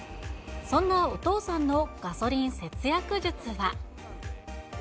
そんなお父さんのガソリン節約術は。